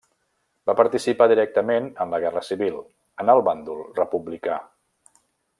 Va participar directament en la Guerra Civil, en el bàndol republicà.